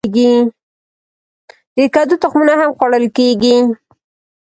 د کدو تخمونه هم خوړل کیږي.